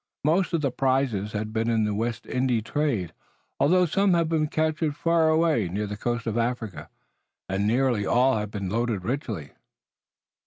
Most of the prizes had been in the West India trade, although some had been captured far away near the coast of Africa, and nearly all had been loaded richly.